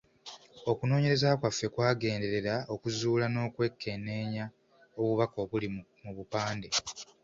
Okunoonyereza kwaffe kwagenderera okuzuula n’okwekenneenya obubaka obuli mu bupande.